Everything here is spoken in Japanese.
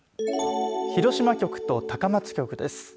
広島局と高松局です。